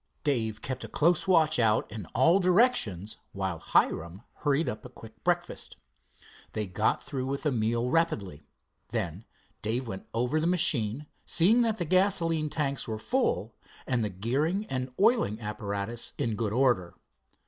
Dave kept a close watch out in all directions while Hiram hurried up a quick breakfast. They got through with the meal rapidly. Then Dave went over the machine, seeing that the gasoline tanks were full and the gearing and oiling apparatus in good order.